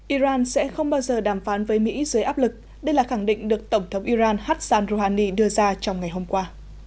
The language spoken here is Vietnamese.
iran sẽ không bao giờ đàm phán với mỹ dưới áp lực đây là khẳng định được tổng thống iran hassan rouhani đưa ra trong ngày hôm qua